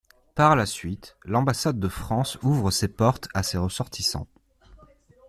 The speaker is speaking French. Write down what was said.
Par la suite, l'ambassade de France ouvre ses portes à ses ressortissants.